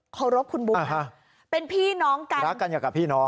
เคารพคุณบุ๊กนะเป็นพี่น้องกันรักกันอย่างกับพี่น้อง